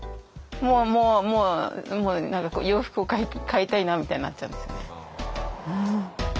もうもうもうもう洋服を替えたいなみたいになっちゃうんですよね。